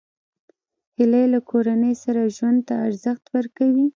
هیلۍ له کورنۍ سره ژوند ته ارزښت ورکوي